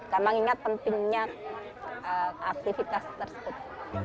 tambah ingat pentingnya aktivitas tersebut